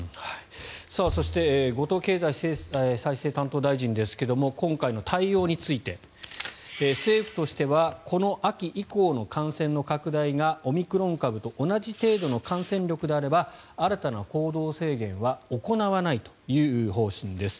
そして後藤経済再生担当大臣ですが今回の対応について政府としてはこの秋以降の感染の拡大がオミクロン株と同じ程度の感染力であれば新たな行動制限は行わないという方針です。